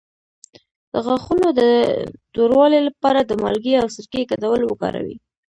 د غاښونو د توروالي لپاره د مالګې او سرکې ګډول وکاروئ